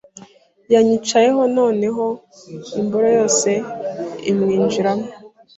yanyicayeho noneho imboro yose imwinjiramo.